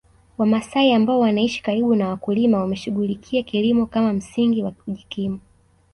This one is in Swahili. Wamasai ambao wanaishi karibu na wakulima wameshughulikia kilimo kama msingi wa kujikimu